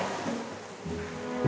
karena dia dengan ya head and coronavirus